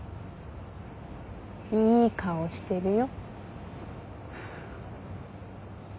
いい顔してるよ。